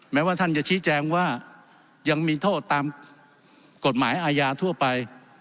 แม้ว่าท่านจะชี้แจงว่ายังมีโทษตามกฎหมายอาญาทั่วไป